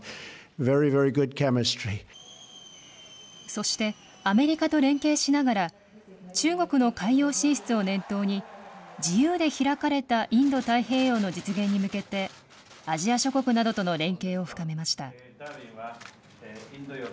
そして、アメリカと連携しながら、中国の海洋進出を念頭に、自由で開かれたインド太平洋の実現に向けて、アジア諸国などとの連携を深めました。